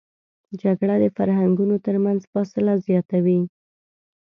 جګړه د فرهنګونو تر منځ فاصله زیاتوي